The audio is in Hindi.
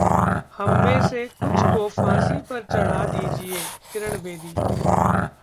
हममें से कुछ को फांसी पर चढ़ा दीजिये: किरण बेदी